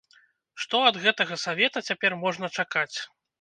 Што ад гэтага савета цяпер можна чакаць?